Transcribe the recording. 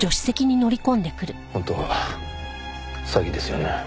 本当は詐欺ですよね？